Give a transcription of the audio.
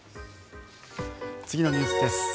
次のニュースです。